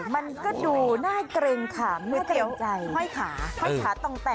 มาจากรถกินก๋วยเตี๋ยวข้าง